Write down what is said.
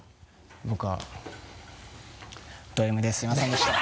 僕はドＭですすいませんでした。